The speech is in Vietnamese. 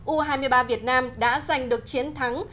u hai mươi ba việt nam đã giành được chiến thắng